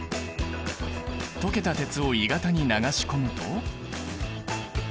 溶けた鉄を鋳型に流し込むと。